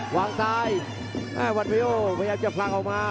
วางซ้ายวัดวิโอพยายามจะพลังออกมา